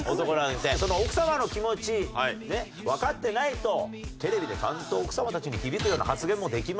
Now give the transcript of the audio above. その奥さまの気持ちわかってないとテレビでちゃんと奥さまたちに響くような発言もできません。